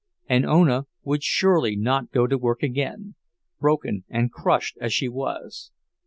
And Ona would surely not go to work again, broken and crushed as she was.